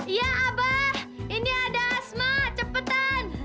iya abah ini ada asma cepetan